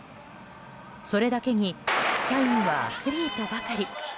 それだけに社員はアスリートばかり。